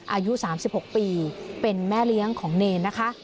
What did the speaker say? อายุ๓๖ปีเป็นแม่เลี้ยงของเนรนะคะ